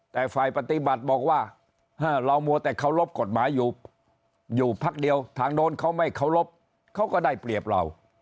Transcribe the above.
แต่ฝ่ายปฏิบัติบอกว่าเรามัวแต่เคารพกฎหมายอยู่อยู่พักเดียวทางโน้นเขาไม่เคารพเขาก็ได้เปรียบเรา